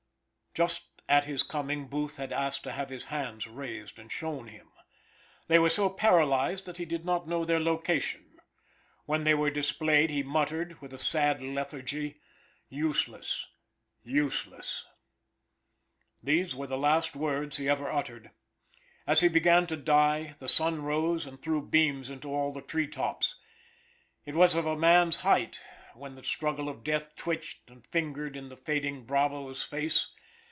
Just at his coming Booth had asked to have his hands raised and shown him. They were so paralyzed that he did not know their location. When they were displayed he muttered, with a sad lethargy, "Useless, useless." These were the last words he ever uttered. As he began to die the sun rose and threw beams into all the tree tops. It was of a man's height when the struggle of death twitched and fingered in the fading bravo's face.